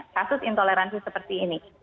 kasus intoleransi seperti ini